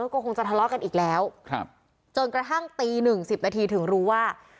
ก็คงจะทะเลาะกันอีกแล้วจนกระทั่งตีหนึ่งสิบนาทีถึงรู้ว่า